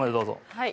はい。